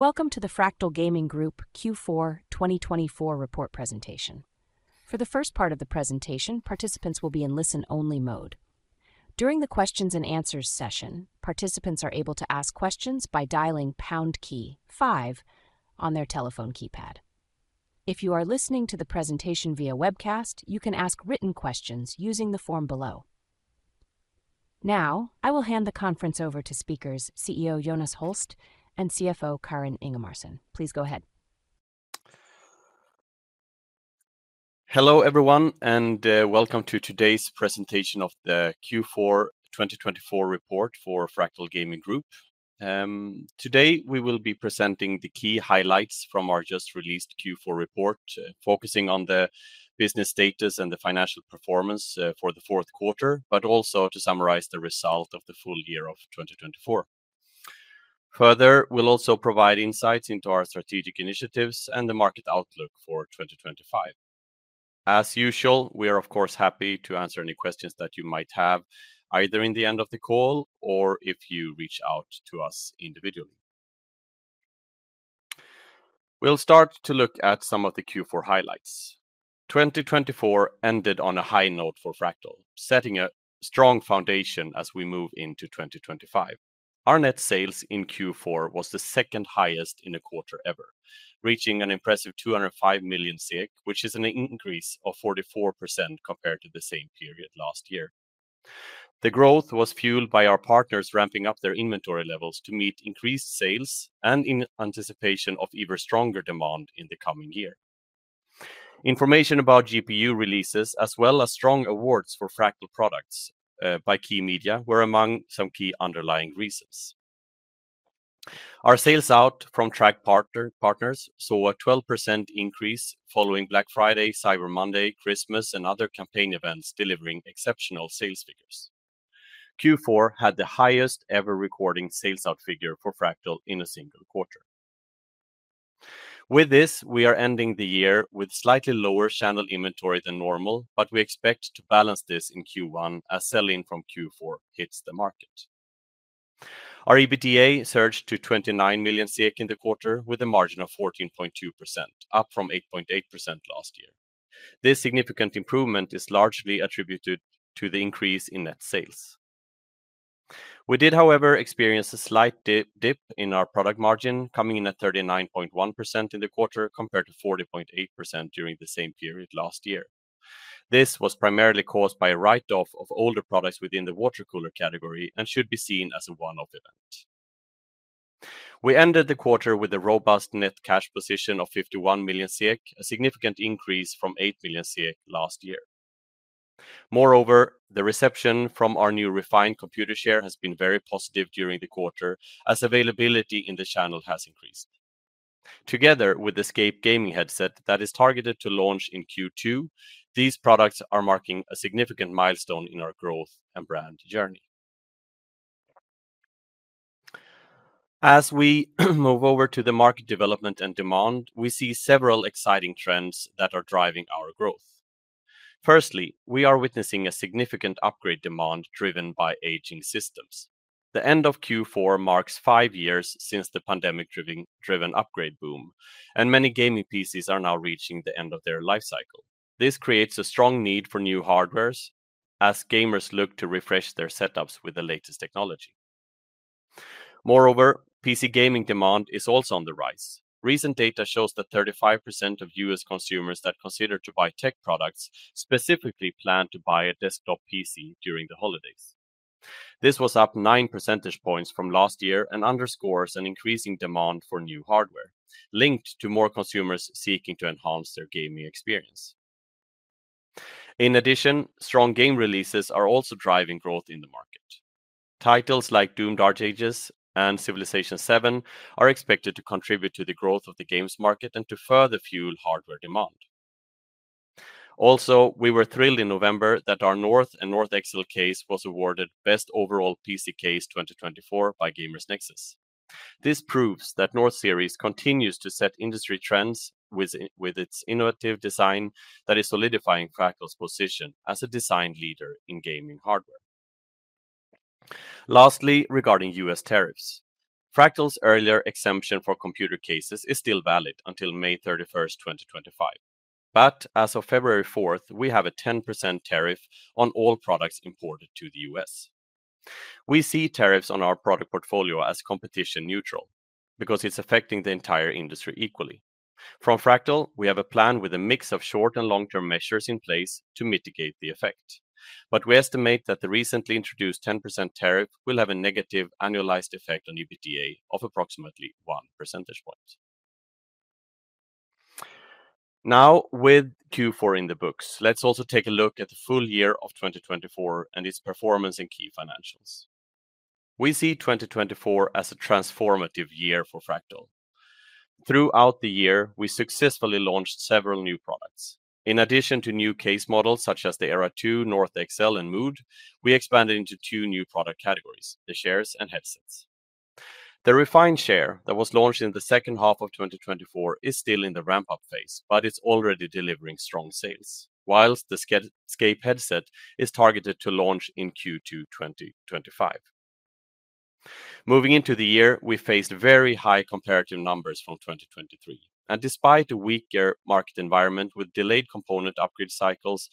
Welcome to the Fractal Gaming Group Q4 2024 report presentation. For the first part of the presentation, participants will be in listen-only mode. During the questions and answers session, participants are able to ask questions by dialing pound key 5 on their telephone keypad. If you are listening to the presentation via webcast, you can ask written questions using the form below. Now, I will hand the conference over to speakers CEO Jonas Holst and CFO Karin Ingemarson. Please go ahead. Hello everyone, and welcome to today's presentation of the Q4 2024 report for Fractal Gaming Group. Today we will be presenting the key highlights from our just released Q4 report, focusing on the business status and the financial performance for the fourth quarter, but also to summarize the result of the full year of 2024. Further, we'll also provide insights into our strategic initiatives and the market outlook for 2025. As usual, we are of course happy to answer any questions that you might have, either in the end of the call or if you reach out to us individually. We'll start to look at some of the Q4 highlights. 2024 ended on a high note for Fractal, setting a strong foundation as we move into 2025. Our net sales in Q4 was the second highest in a quarter ever, reaching an impressive 205 million, which is an increase of 44% compared to the same period last year. The growth was fueled by our partners ramping up their inventory levels to meet increased sales and in anticipation of even stronger demand in the coming year. Information about GPU releases, as well as strong awards for Fractal products by key media, were among some key underlying reasons. Our sales out from track partners saw a 12% increase following Black Friday, Cyber Monday, Christmas, and other campaign events, delivering exceptional sales figures. Q4 had the highest ever recording sales out figure for Fractal in a single quarter. With this, we are ending the year with slightly lower channel inventory than normal, but we expect to balance this in Q1 as selling from Q4 hits the market. Our EBITDA surged to 29 million in the quarter, with a margin of 14.2%, up from 8.8% last year. This significant improvement is largely attributed to the increase in net sales. We did, however, experience a slight dip in our product margin, coming in at 39.1% in the quarter compared to 40.8% during the same period last year. This was primarily caused by a write-off of older products within the water cooler category and should be seen as a one-off event. We ended the quarter with a robust net cash position of 51 million, a significant increase from 8 million last year. Moreover, the reception from our new Refine gaming chair has been very positive during the quarter, as availability in the channel has increased. Together with the Scape gaming headset that is targeted to launch in Q2, these products are marking a significant milestone in our growth and brand journey. As we move over to the market development and demand, we see several exciting trends that are driving our growth. Firstly, we are witnessing a significant upgrade demand driven by aging systems. The end of Q4 marks five years since the pandemic-driven upgrade boom, and many gaming PCs are now reaching the end of their life cycle. This creates a strong need for new hardware, as gamers look to refresh their setups with the latest technology. Moreover, PC gaming demand is also on the rise. Recent data shows that 35% of U.S. consumers that consider to buy tech products specifically plan to buy a desktop PC during the holidays. This was up 9 percentage points from last year and underscores an increasing demand for new hardware, linked to more consumers seeking to enhance their gaming experience. In addition, strong game releases are also driving growth in the market. Titles like Doom: Darkseeker and Civilization VII are expected to contribute to the growth of the games market and to further fuel hardware demand. Also, we were thrilled in November that our North and North Excel case was awarded Best Overall PC Case 2024 by GamersNexus. This proves that North Series continues to set industry trends with its innovative design that is solidifying Fractal's position as a design leader in gaming hardware. Lastly, regarding U.S. tariffs, Fractal's earlier exemption for computer cases is still valid until May 31st, 2025. As of February 4th, we have a 10% tariff on all products imported to the U.S. We see tariffs on our product portfolio as competition neutral because it's affecting the entire industry equally. From Fractal, we have a plan with a mix of short and long-term measures in place to mitigate the effect. We estimate that the recently introduced 10% tariff will have a negative annualized effect on EBITDA of approximately 1 percentage point. Now, with Q4 in the books, let's also take a look at the full year of 2024 and its performance in key financials. We see 2024 as a transformative year for Fractal. Throughout the year, we successfully launched several new products. In addition to new case models such as the Era 2, North XL, and Mood, we expanded into two new product categories: the chairs and headsets. The Refine share that was launched in the second half of 2024 is still in the ramp-up phase, but it's already delivering strong sales, while the Scape headset is targeted to launch in Q2 2025. Moving into the year, we faced very high comparative numbers from 2023. Despite a weaker market environment with delayed component upgrade cycles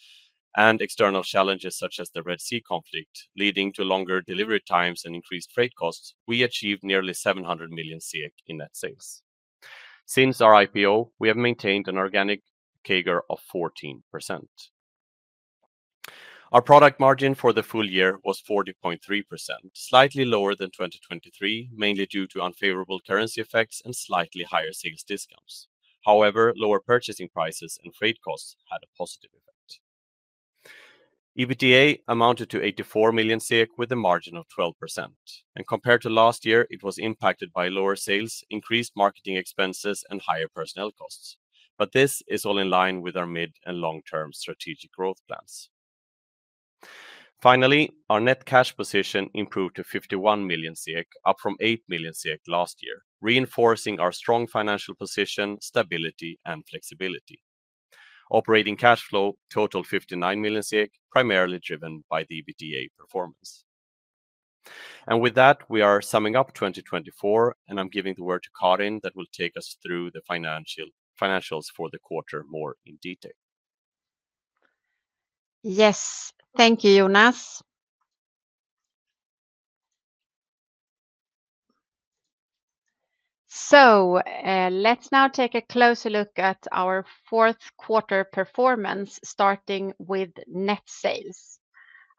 and external challenges such as the Red Sea conflict leading to longer delivery times and increased freight costs, we achieved nearly 700 million in net sales. Since our IPO, we have maintained an organic CAGR of 14%. Our product margin for the full year was 40.3%, slightly lower than 2023, mainly due to unfavorable currency effects and slightly higher sales discounts. However, lower purchasing prices and freight costs had a positive effect. EBITDA amounted to 84 million with a margin of 12%. Compared to last year, it was impacted by lower sales, increased marketing expenses, and higher personnel costs. This is all in line with our mid and long-term strategic growth plans. Finally, our net cash position improved to 51 million SEK, up from 8 million SEK last year, reinforcing our strong financial position, stability, and flexibility. Operating cash flow totaled 59 million, primarily driven by the EBITDA performance. With that, we are summing up 2024, and I'm giving the word to Karin that will take us through the financials for the quarter more in detail. Yes, thank you, Jonas. Let's now take a closer look at our fourth quarter performance, starting with net sales.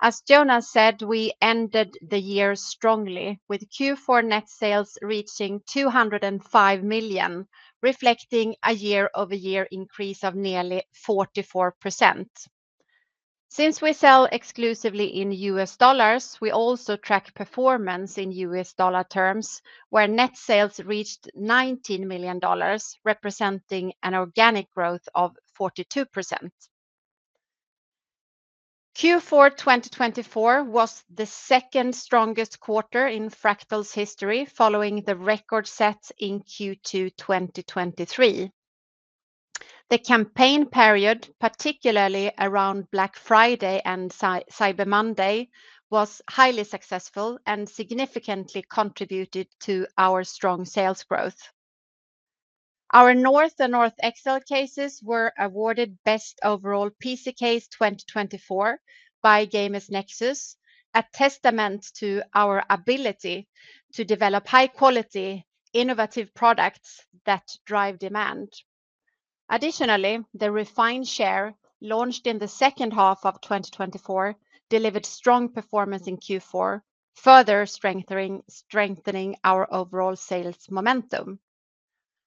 As Jonas said, we ended the year strongly, with Q4 net sales reaching 205 million, reflecting a year-over-year increase of nearly 44%. Since we sell exclusively in US dollars, we also track performance in US dollar terms, where net sales reached $19 million, representing an organic growth of 42%. Q4 2024 was the second strongest quarter in Fractal's history, following the record set in Q2 2023. The campaign period, particularly around Black Friday and Cyber Monday, was highly successful and significantly contributed to our strong sales growth. Our North and North Excel cases were awarded Best Overall PC Case 2024 by Gamers Nexus, a testament to our ability to develop high-quality, innovative products that drive demand. Additionally, the Refine chair launched in the second half of 2024 delivered strong performance in Q4, further strengthening our overall sales momentum.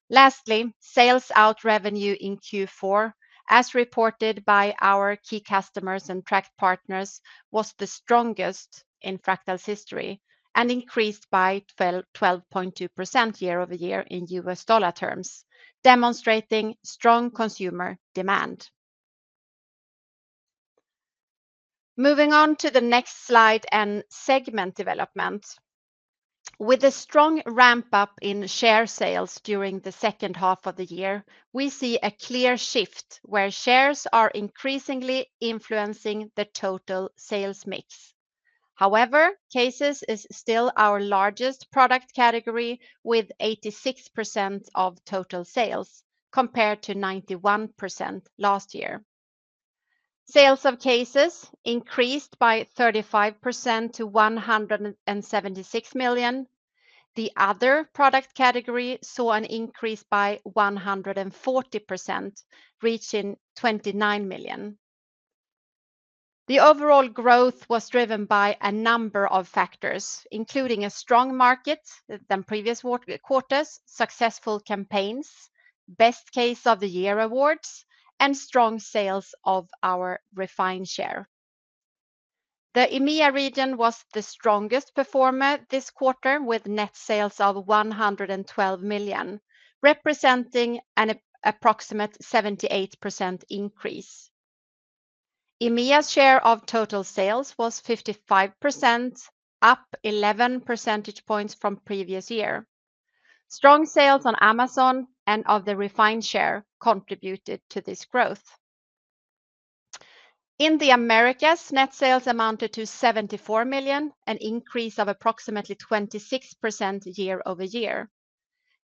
Lastly, sell-out revenue in Q4, as reported by our key customers and tracked partners, was the strongest in Fractal's history and increased by 12.2% year-over-year in US dollar terms, demonstrating strong consumer demand. Moving on to the next slide and segment development. With a strong ramp-up in chair sales during the second half of the year, we see a clear shift where chairs are increasingly influencing the total sales mix. However, cases is still our largest product category with 86% of total sales compared to 91% last year. Sales of cases increased by 35% to 176 million. The other product category saw an increase by 140%, reaching 29 million. The overall growth was driven by a number of factors, including a stronger market than previous quarters, successful campaigns, Best Case of the Year awards, and strong sales of our Refine chair. The EMEA region was the strongest performer this quarter, with net sales of 112 million, representing an approximate 78% increase. EMEA's share of total sales was 55%, up 11 percentage points from the previous year. Strong sales on Amazon and of the Refine chair contributed to this growth. In the Americas, net sales amounted to 74 million, an increase of approximately 26% year-over-year.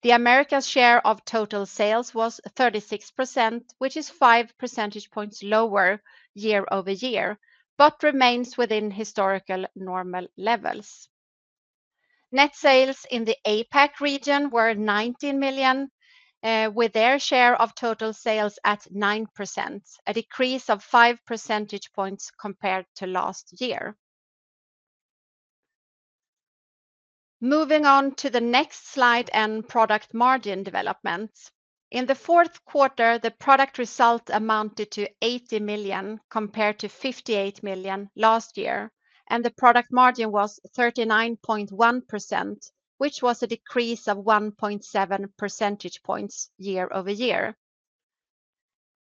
The Americas share of total sales was 36%, which is 5 percentage points lower year-over-year, but remains within historical normal levels. Net sales in the APAC region were 19 million, with their share of total sales at 9%, a decrease of 5 percentage points compared to last year. Moving on to the next slide and product margin development. In the fourth quarter, the product result amounted to 80 million compared to 58 million last year, and the product margin was 39.1%, which was a decrease of 1.7 percentage points year-over-year.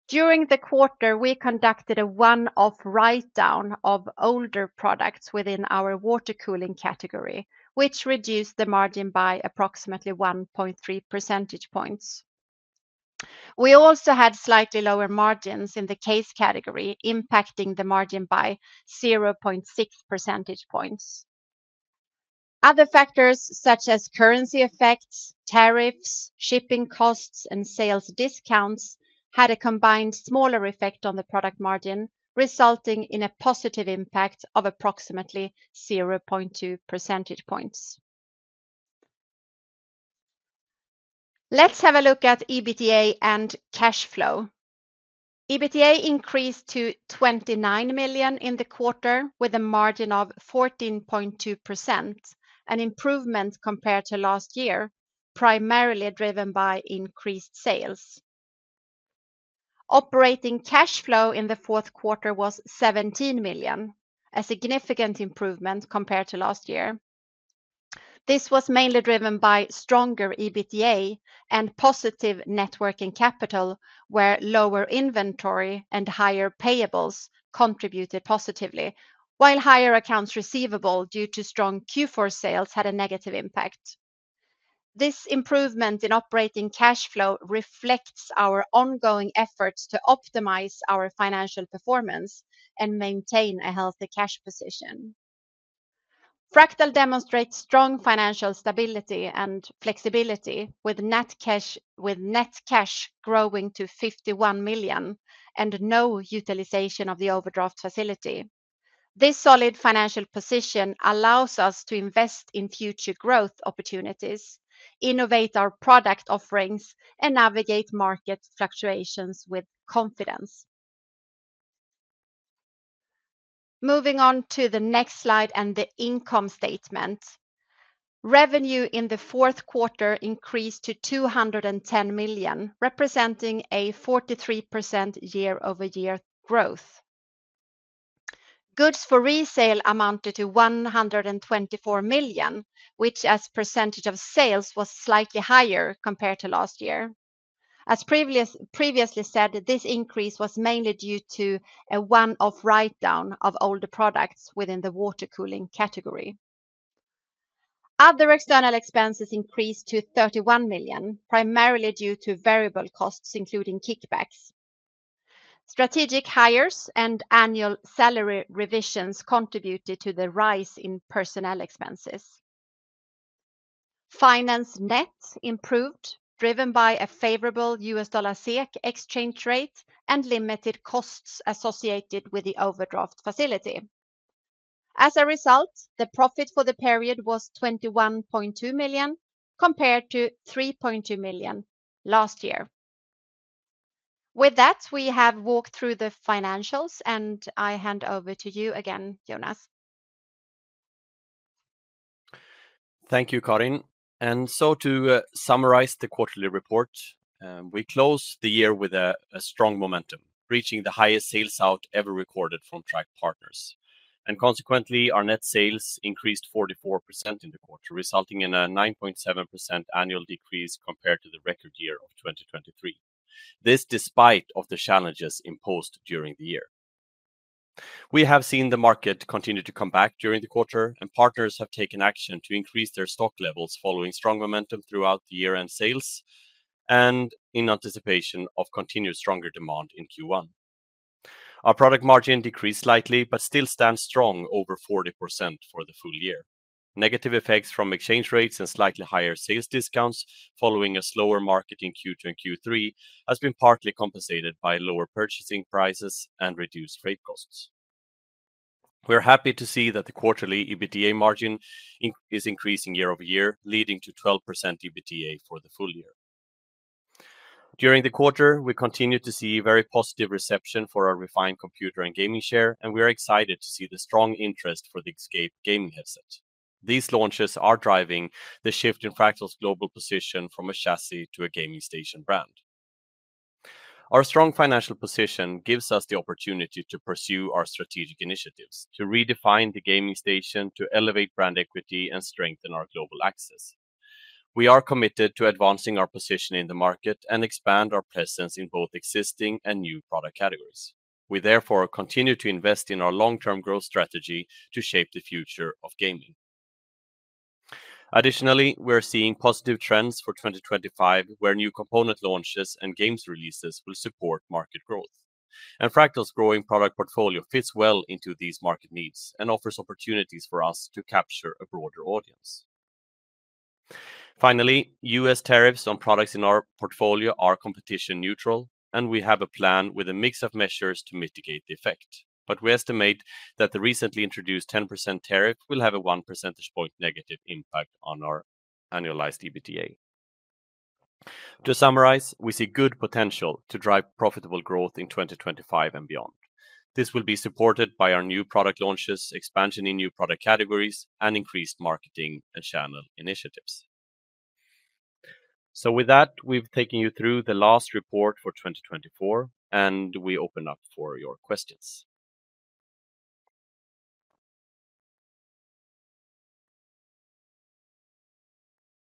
During the quarter, we conducted a one-off write-down of older products within our water cooling category, which reduced the margin by approximately 1.3 percentage points. We also had slightly lower margins in the case category, impacting the margin by 0.6 percentage points. Other factors such as currency effects, tariffs, shipping costs, and sales discounts had a combined smaller effect on the product margin, resulting in a positive impact of approximately 0.2 percentage points. Let's have a look at EBITDA and cash flow. EBITDA increased to 29 million in the quarter with a margin of 14.2%, an improvement compared to last year, primarily driven by increased sales. Operating cash flow in the fourth quarter was 17 million, a significant improvement compared to last year. This was mainly driven by stronger EBITDA and positive networking capital, where lower inventory and higher payables contributed positively, while higher accounts receivable due to strong Q4 sales had a negative impact. This improvement in operating cash flow reflects our ongoing efforts to optimize our financial performance and maintain a healthy cash position. Fractal demonstrates strong financial stability and flexibility, with net cash growing to 51 million and no utilization of the overdraft facility. This solid financial position allows us to invest in future growth opportunities, innovate our product offerings, and navigate market fluctuations with confidence. Moving on to the next slide and the income statement. Revenue in the fourth quarter increased to 210 million, representing a 43% year-over-year growth. Goods for resale amounted to 124 million, which as a percentage of sales was slightly higher compared to last year. As previously said, this increase was mainly due to a one-off write-down of older products within the water cooling category. Other external expenses increased to 31 million, primarily due to variable costs including kickbacks. Strategic hires and annual salary revisions contributed to the rise in personnel expenses. Finance net improved, driven by a favorable US dollar exchange rate and limited costs associated with the overdraft facility. As a result, the profit for the period was 21.2 million compared to 3.2 million last year. With that, we have walked through the financials, and I hand over to you again, Jonas. Thank you, Karin. To summarize the quarterly report, we closed the year with strong momentum, reaching the highest sales out ever recorded from Fractal partners. Consequently, our net sales increased 44% in the quarter, resulting in a 9.7% annual decrease compared to the record year of 2023. This is despite the challenges imposed during the year. We have seen the market continue to come back during the quarter, and partners have taken action to increase their stock levels following strong momentum throughout the year-end sales and in anticipation of continued stronger demand in Q1. Our product margin decreased slightly but still stands strong over 40% for the full year. Negative effects from exchange rates and slightly higher sales discounts following a slower market in Q2 and Q3 have been partly compensated by lower purchasing prices and reduced freight costs. We are happy to see that the quarterly EBITDA margin is increasing year-over-year, leading to 12% EBITDA for the full year. During the quarter, we continue to see very positive reception for our Refine computer and gaming chair, and we are excited to see the strong interest for the Scape gaming headset. These launches are driving the shift in Fractal's global position from a chassis to a gaming station brand. Our strong financial position gives us the opportunity to pursue our strategic initiatives, to redefine the gaming station, to elevate brand equity, and strengthen our global access. We are committed to advancing our position in the market and expand our presence in both existing and new product categories. We therefore continue to invest in our long-term growth strategy to shape the future of gaming. Additionally, we are seeing positive trends for 2025, where new component launches and games releases will support market growth. Fractal's growing product portfolio fits well into these market needs and offers opportunities for us to capture a broader audience. Finally, U.S. tariffs on products in our portfolio are competition neutral, and we have a plan with a mix of measures to mitigate the effect. We estimate that the recently introduced 10% tariff will have a 1 percentage point negative impact on our annualized EBITDA. To summarize, we see good potential to drive profitable growth in 2025 and beyond. This will be supported by our new product launches, expansion in new product categories, and increased marketing and channel initiatives. With that, we've taken you through the last report for 2024, and we open up for your questions.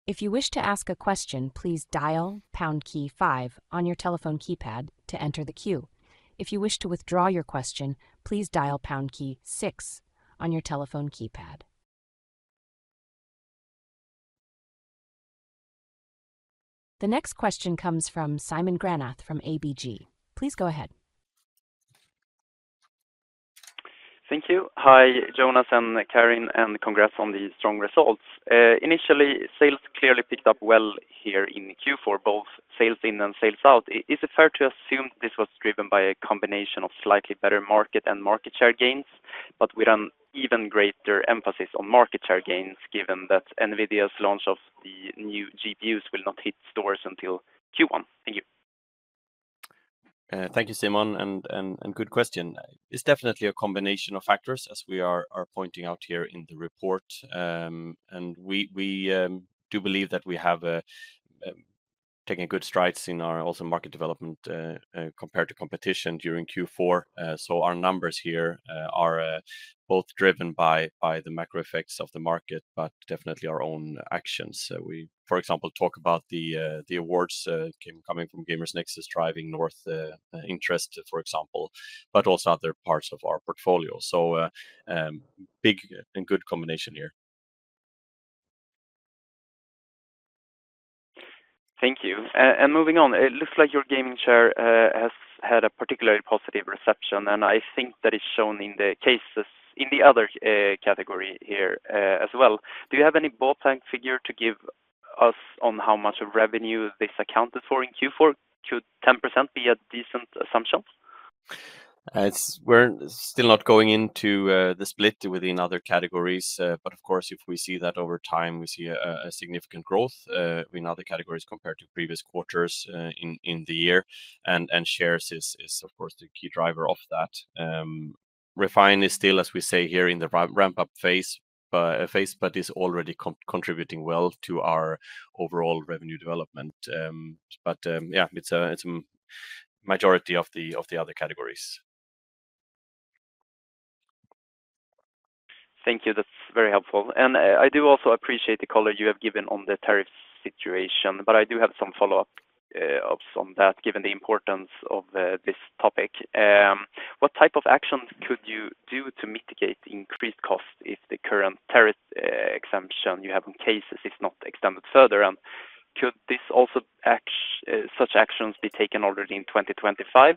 If you wish to ask a question, please dial pound key five on your telephone keypad to enter the queue. If you wish to withdraw your question, please dial pound key six on your telephone keypad. The next question comes from Simon Granath from ABG. Please go ahead. Thank you. Hi, Jonas and Karin, and congrats on the strong results. Initially, sales clearly picked up well here in Q4, both sales in and sales out. Is it fair to assume this was driven by a combination of slightly better market and market share gains, but with an even greater emphasis on market share gains, given that NVIDIA's launch of the new GPUs will not hit stores until Q1? Thank you. Thank you, Simon, and good question. It's definitely a combination of factors, as we are pointing out here in the report. We do believe that we have taken good strides in our also market development compared to competition during Q4. Our numbers here are both driven by the macro effects of the market, but definitely our own actions. We, for example, talk about the awards coming from GamersNexus, driving North interest, for example, but also other parts of our portfolio. Big and good combination here. Thank you. Moving on, it looks like your gaming chair has had a particularly positive reception, and I think that is shown in the cases in the other category here as well. Do you have any ballpark figure to give us on how much of revenue this accounted for in Q4? Could 10% be a decent assumption? We're still not going into the split within other categories, but of course, if we see that over time, we see a significant growth in other categories compared to previous quarters in the year. And shares is, of course, the key driver of that. Refine is still, as we say here, in the ramp-up phase, but is already contributing well to our overall revenue development. Yeah, it's a majority of the other categories. Thank you. That's very helpful. I do also appreciate the color you have given on the tariff situation, but I do have some follow-ups on that, given the importance of this topic. What type of actions could you do to mitigate increased costs if the current tariff exemption you have in cases is not extended further? Could such actions be taken already in 2025?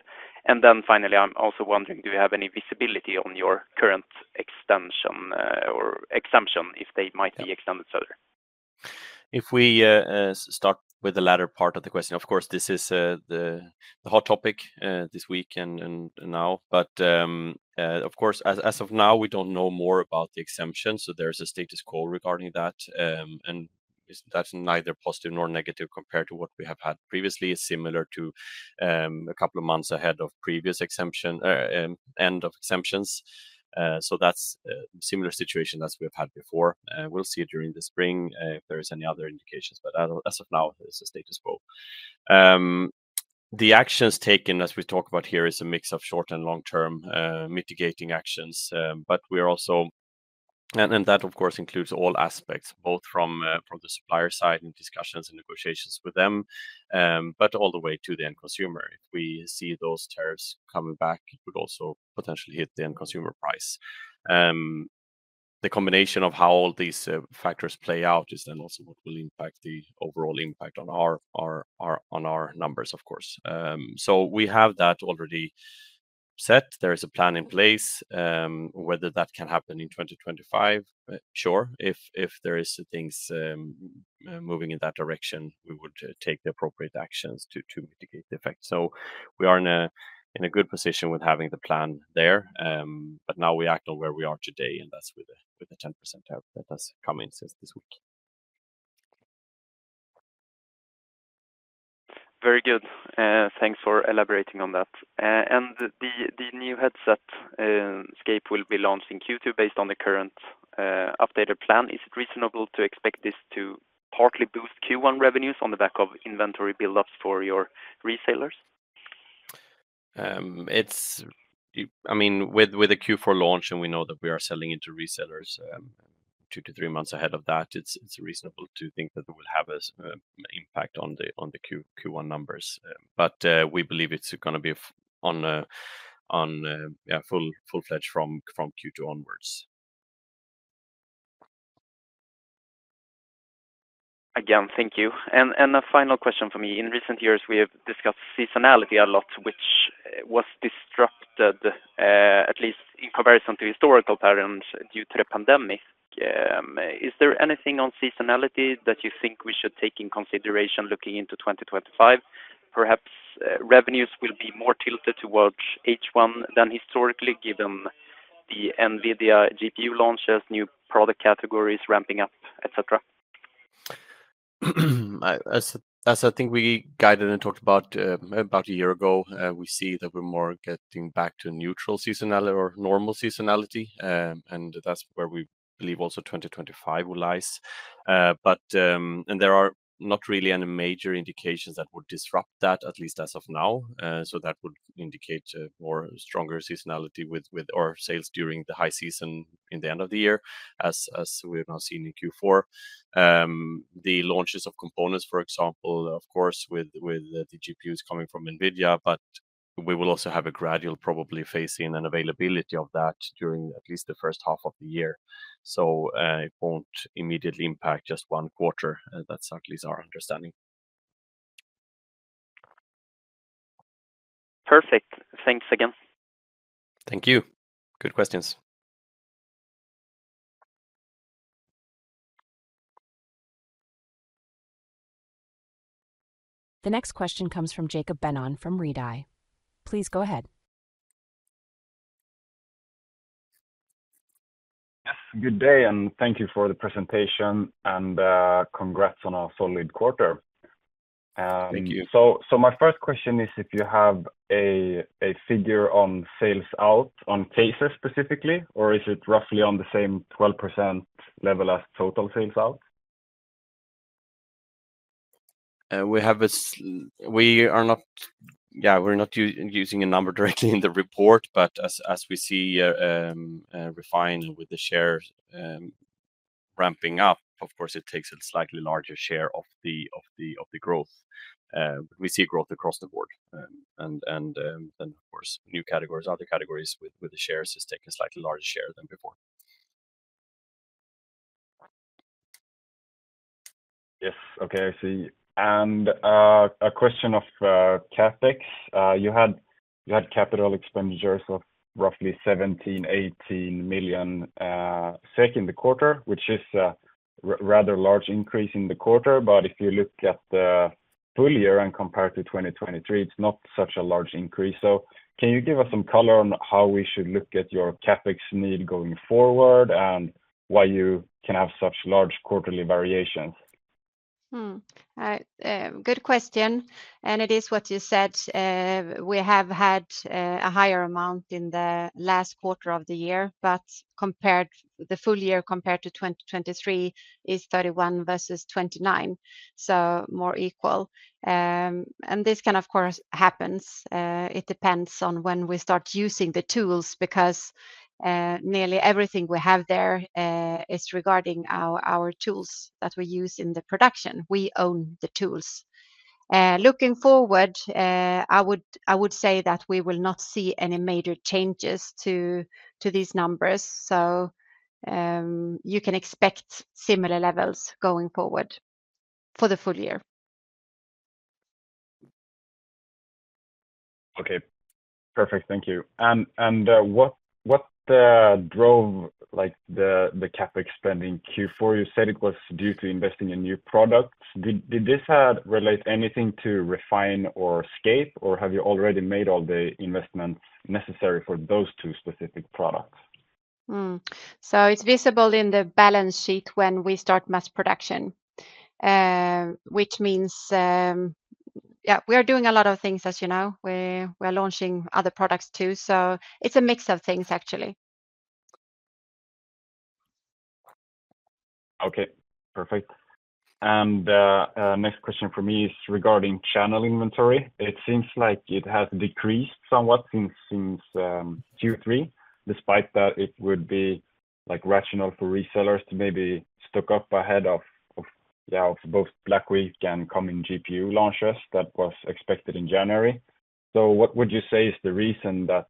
Finally, I'm also wondering, do you have any visibility on your current extension or exemption if they might be extended further? If we start with the latter part of the question, of course, this is the hot topic this week and now. Of course, as of now, we don't know more about the exemption, so there's a status quo regarding that. That's neither positive nor negative compared to what we have had previously, similar to a couple of months ahead of previous exemption end of exemptions. That's a similar situation as we've had before. We'll see it during the spring if there are any other indications, but as of now, it's a status quo. The actions taken, as we talk about here, is a mix of short and long-term mitigating actions, but we are also, and that, of course, includes all aspects, both from the supplier side and discussions and negotiations with them, but all the way to the end consumer. If we see those tariffs coming back, it would also potentially hit the end consumer price. The combination of how all these factors play out is then also what will impact the overall impact on our numbers, of course. We have that already set. There is a plan in place. Whether that can happen in 2025, sure. If there are things moving in that direction, we would take the appropriate actions to mitigate the effect. We are in a good position with having the plan there, but now we act on where we are today, and that's with the 10% tariff that has come in since this week. Very good. Thanks for elaborating on that. The new headset, Scape, will be launched in Q2 based on the current updated plan. Is it reasonable to expect this to partly boost Q1 revenues on the back of inventory build-ups for your resellers? I mean, with the Q4 launch, and we know that we are selling into resellers two to three months ahead of that, it's reasonable to think that it will have an impact on the Q1 numbers. We believe it's going to be on full fledge from Q2 onwards. Again, thank you. A final question for me. In recent years, we have discussed seasonality a lot, which was disrupted, at least in comparison to historical patterns due to the pandemic. Is there anything on seasonality that you think we should take into consideration looking into 2025? Perhaps revenues will be more tilted towards H1 than historically, given the NVIDIA GPU launches, new product categories ramping up, etc.? As I think we guided and talked about a year ago, we see that we're more getting back to neutral seasonality or normal seasonality. That is where we believe also 2025 will lie. There are not really any major indications that would disrupt that, at least as of now. That would indicate a more stronger seasonality with our sales during the high season in the end of the year, as we have now seen in Q4. The launches of components, for example, of course, with the GPUs coming from NVIDIA, but we will also have a gradual probably phase-in and availability of that during at least the first half of the year. It will not immediately impact just one quarter. That is at least our understanding. Perfect. Thanks again. Thank you. Good questions. The next question comes from Jacob Benon from Redeye. Please go ahead. Yes. Good day, and thank you for the presentation, and congrats on a solid quarter. Thank you. My first question is if you have a figure on sales out on cases specifically, or is it roughly on the same 12% level as total sales out? We are not, yeah, we're not using a number directly in the report, but as we see Refine with the shares ramping up, of course, it takes a slightly larger share of the growth. We see growth across the board. Of course, new categories, other categories with the shares, is taking a slightly larger share than before. Yes. Okay. I see. A question of CapEx. You had capital expenditures of roughly 17 million-18 million SEK second quarter, which is a rather large increase in the quarter. If you look at the full year and compare to 2023, it is not such a large increase. Can you give us some color on how we should look at your CapEx need going forward and why you can have such large quarterly variations? Good question. It is what you said. We have had a higher amount in the last quarter of the year, but the full year compared to 2023 is 31 versus 29, so more equal. This can, of course, happen. It depends on when we start using the tools because nearly everything we have there is regarding our tools that we use in the production. We own the tools. Looking forward, I would say that we will not see any major changes to these numbers. You can expect similar levels going forward for the full year. Okay. Perfect. Thank you. What drove the CapEx spending Q4? You said it was due to investing in new products. Did this relate anything to Refine or Scape, or have you already made all the investments necessary for those two specific products? It is visible in the balance sheet when we start mass production, which means, yeah, we are doing a lot of things, as you know. We are launching other products too. It is a mix of things, actually. Okay. Perfect. The next question for me is regarding channel inventory. It seems like it has decreased somewhat since Q3, despite that it would be rational for resellers to maybe stock up ahead of both Black Week and coming GPU launches that was expected in January. What would you say is the reason that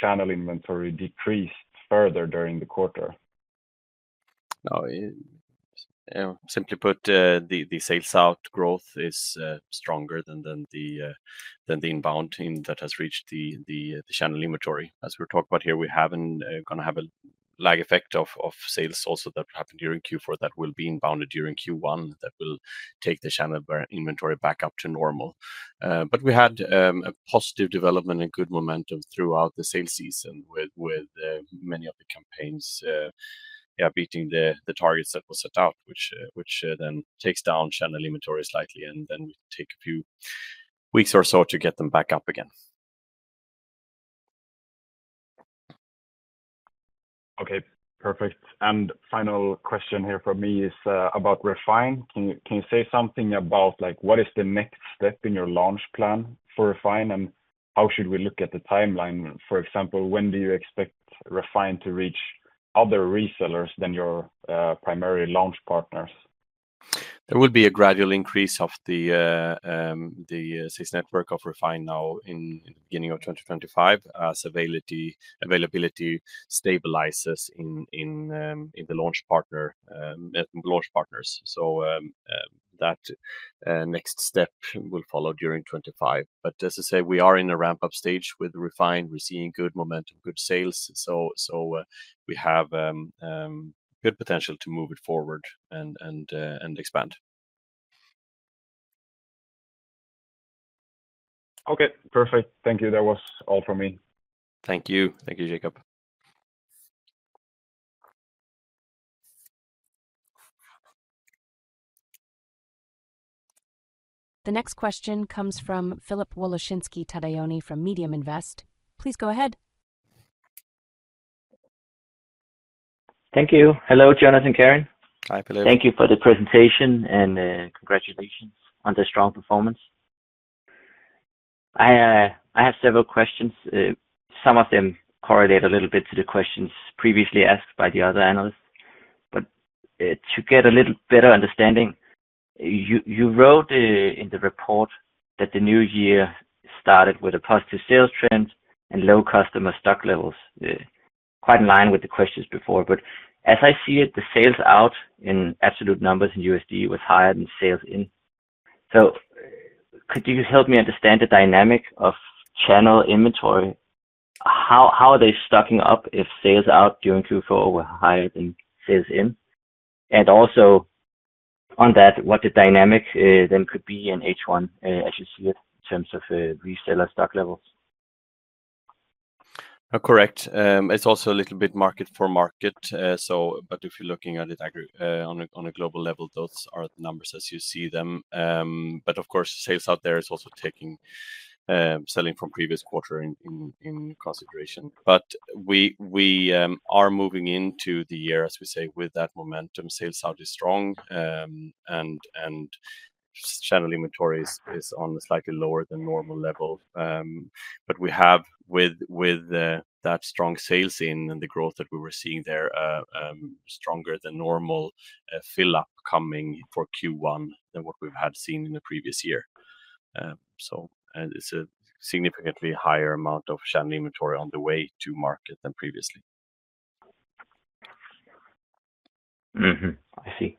channel inventory decreased further during the quarter? Simply put, the sales out growth is stronger than the inbound that has reached the channel inventory. As we're talking about here, we haven't going to have a lag effect of sales also that happened during Q4 that will be inbounded during Q1 that will take the channel inventory back up to normal. We had a positive development and good momentum throughout the sales season with many of the campaigns, yeah, beating the targets that were set out, which then takes down channel inventory slightly, and then we take a few weeks or so to get them back up again. Okay. Perfect. Final question here for me is about Refine. Can you say something about what is the next step in your launch plan for Refine, and how should we look at the timeline? For example, when do you expect Refine to reach other resellers than your primary launch partners? There will be a gradual increase of the sales network of Refine now in the beginning of 2025 as availability stabilizes in the launch partners. That next step will follow during 2025. As I say, we are in a ramp-up stage with Refine. We're seeing good momentum, good sales. We have good potential to move it forward and expand. Okay. Perfect. Thank you. That was all for me. Thank you. Thank you, Jacob. The next question comes from Philip Woloszynski Tadayoni from Mediuminvest. Please go ahead. Thank you. Hello, Jonas and Karin. Hi, Philip. Thank you for the presentation and congratulations on the strong performance. I have several questions. Some of them correlate a little bit to the questions previously asked by the other analysts. To get a little better understanding, you wrote in the report that the new year started with a positive sales trend and low customer stock levels, quite in line with the questions before. As I see it, the sales out in absolute numbers in USD was higher than sales in. Could you help me understand the dynamic of channel inventory? How are they stocking up if sales out during Q4 were higher than sales in? Also on that, what the dynamic then could be in H1 as you see it in terms of reseller stock levels? Correct. It's also a little bit market for market. If you're looking at it on a global level, those are the numbers as you see them. Of course, sales out there is also taking selling from previous quarter in consideration. We are moving into the year, as we say, with that momentum. Sales out is strong, and channel inventory is on a slightly lower than normal level. We have, with that strong sales in and the growth that we were seeing there, a stronger than normal fill-up coming for Q1 than what we've had seen in the previous year. It is a significantly higher amount of channel inventory on the way to market than previously. I see.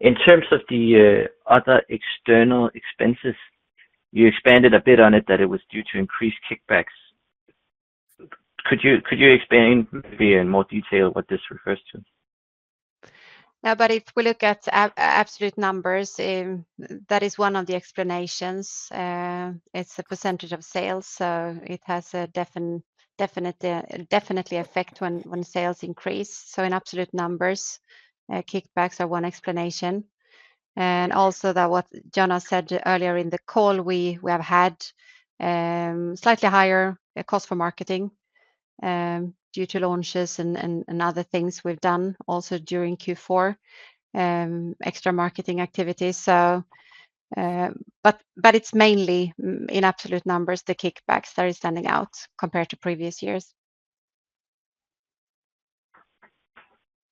In terms of the other external expenses, you expanded a bit on it that it was due to increased kickbacks. Could you explain maybe in more detail what this refers to? No, but if we look at absolute numbers, that is one of the explanations. It's a percentage of sales, so it has a definite effect when sales increase. In absolute numbers, kickbacks are one explanation. Also, what Jonas said earlier in the call, we have had slightly higher cost for marketing due to launches and other things we've done also during Q4, extra marketing activities. It's mainly in absolute numbers, the kickbacks that are standing out compared to previous years.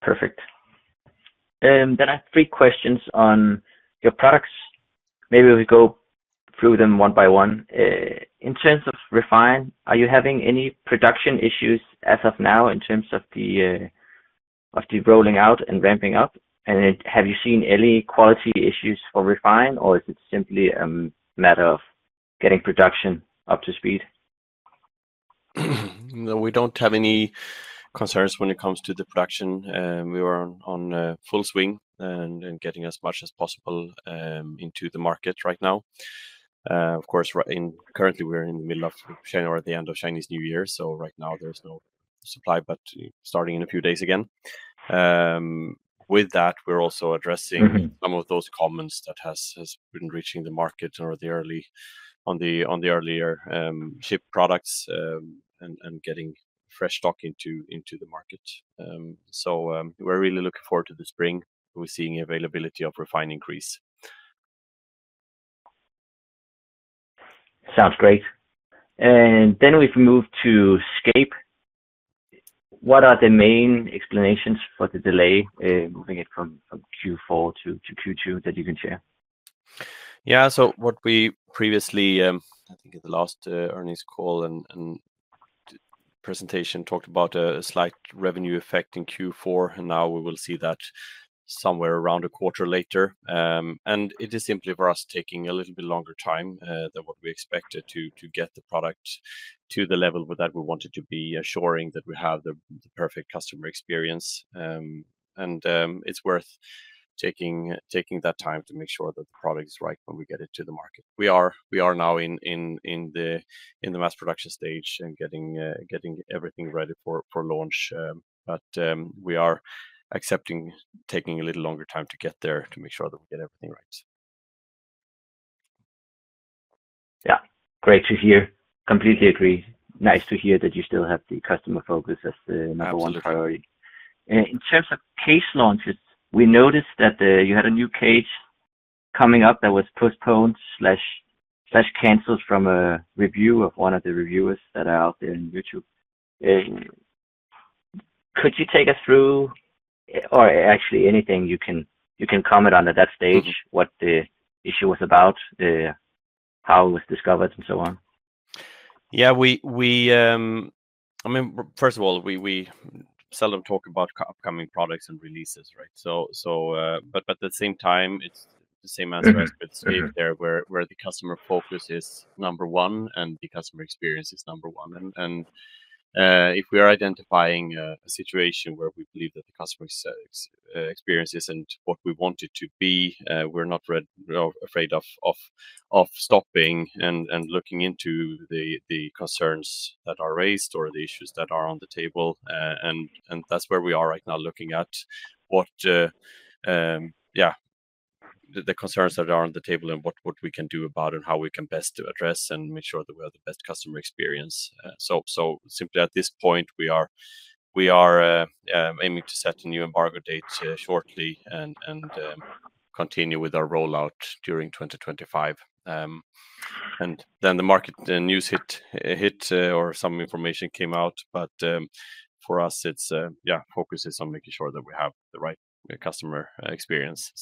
Perfect. I have three questions on your products. Maybe we go through them one by one. In terms of Refine, are you having any production issues as of now in terms of the rolling out and ramping up? Have you seen any quality issues for Refine, or is it simply a matter of getting production up to speed? We don't have any concerns when it comes to the production. We are on full swing and getting as much as possible into the market right now. Of course, currently, we're in the middle of January or the end of Chinese New Year. Right now, there's no supply, but starting in a few days again. With that, we're also addressing some of those comments that have been reaching the market or the early on the earlier ship products and getting fresh stock into the market. We are really looking forward to the spring. We're seeing availability of Refine increase. Sounds great. Then we've moved to Scape. What are the main explanations for the delay moving it from Q4 to Q2 that you can share? Yeah. What we previously, I think in the last earnings call and presentation, talked about is a slight revenue effect in Q4. Now we will see that somewhere around a quarter later. It is simply for us taking a little bit longer time than what we expected to get the product to the level that we wanted it to be, assuring that we have the perfect customer experience. It is worth taking that time to make sure that the product is right when we get it to the market. We are now in the mass production stage and getting everything ready for launch. We are accepting taking a little longer time to get there to make sure that we get everything right. Yeah. Great to hear. Completely agree. Nice to hear that you still have the customer focus as the number one priority. In terms of case launches, we noticed that you had a new case coming up that was postponed or canceled from a review of one of the reviewers that are out there on YouTube. Could you take us through, or actually anything you can comment on at that stage, what the issue was about, how it was discovered, and so on? Yeah. I mean, first of all, we seldom talk about upcoming products and releases, right? At the same time, it's the same answer as with Scape there, where the customer focus is number one and the customer experience is number one. If we are identifying a situation where we believe that the customer experience isn't what we want it to be, we're not afraid of stopping and looking into the concerns that are raised or the issues that are on the table. That's where we are right now, looking at, yeah, the concerns that are on the table and what we can do about it and how we can best address and make sure that we have the best customer experience. Simply at this point, we are aiming to set a new embargo date shortly and continue with our rollout during 2025. The market news hit or some information came out. For us, yeah, focus is on making sure that we have the right customer experience.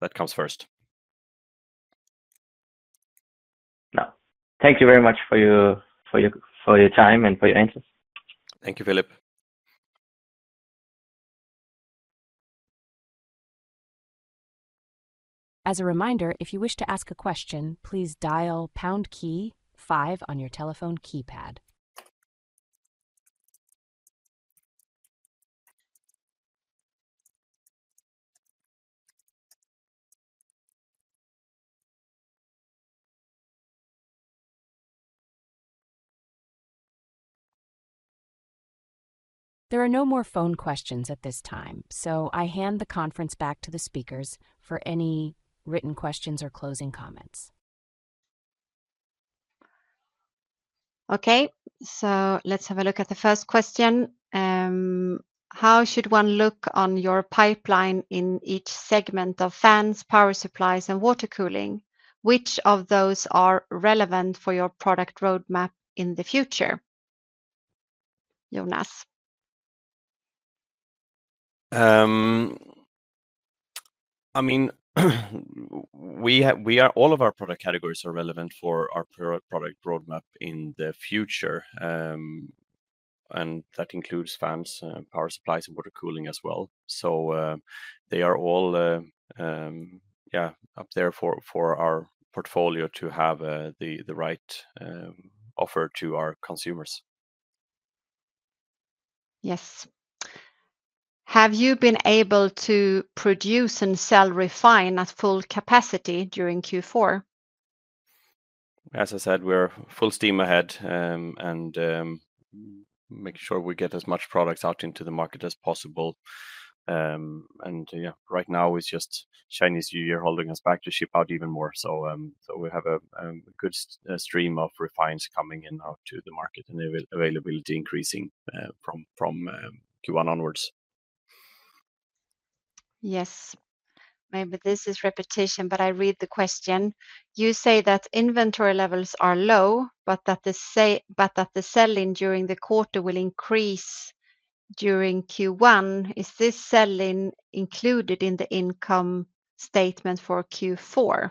That comes first. No. Thank you very much for your time and for your answers. Thank you, Philip. As a reminder, if you wish to ask a question, please dial pound key 5 on your telephone keypad. There are no more phone questions at this time, so I hand the conference back to the speakers for any written questions or closing comments. Okay. Let's have a look at the first question. How should one look on your pipeline in each segment of fans, power supplies, and water cooling? Which of those are relevant for your product roadmap in the future? Jonas. I mean, all of our product categories are relevant for our product roadmap in the future. That includes fans, power supplies, and water cooling as well. They are all, yeah, up there for our portfolio to have the right offer to our consumers. Yes. Have you been able to produce and sell Refine at full capacity during Q4? As I said, we're full steam ahead and making sure we get as much products out into the market as possible. Right now, it's just Chinese New Year holding us back to ship out even more. We have a good stream of Refines coming in now to the market and availability increasing from Q1 onwards. Yes. Maybe this is repetition, but I read the question. You say that inventory levels are low, but that the selling during the quarter will increase during Q1. Is this selling included in the income statement for Q4?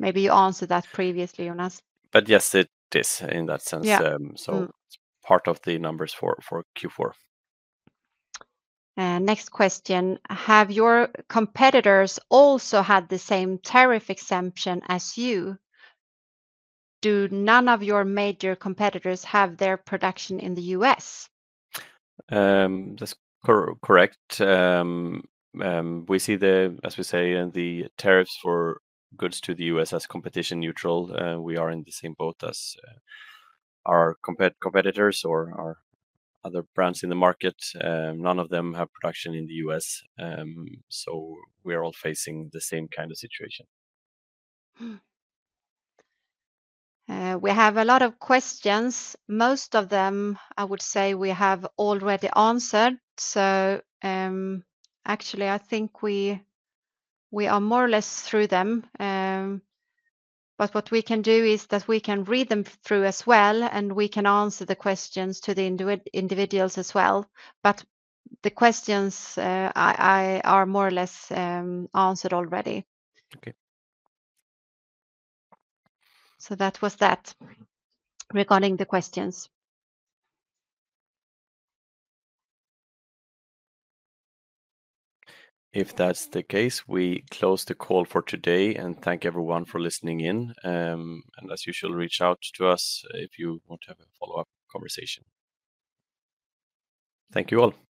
Maybe you answered that previously, Jonas. Yes, it is in that sense. It is part of the numbers for Q4. Next question. Have your competitors also had the same tariff exemption as you? Do none of your major competitors have their production in the U.S.? That's correct. We see the, as we say, the tariffs for goods to the U.S. as competition neutral. We are in the same boat as our competitors or our other brands in the market. None of them have production in the U.S.. So we are all facing the same kind of situation. We have a lot of questions. Most of them, I would say, we have already answered. I think we are more or less through them. What we can do is that we can read them through as well, and we can answer the questions to the individuals as well. The questions are more or less answered already. Okay. That was that regarding the questions. If that's the case, we close the call for today and thank everyone for listening in. As usual, reach out to us if you want to have a follow-up conversation. Thank you all. Thank.